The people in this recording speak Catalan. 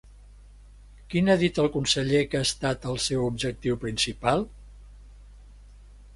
Quin ha dit el conseller que ha estat el seu objectiu principal?